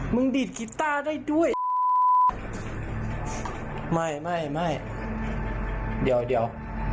ดีดกีต้าได้ด้วยไม่ไม่ไม่เดี๋ยวเดี๋ยว